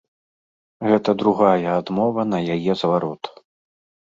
Гэта другая адмова на яе зварот.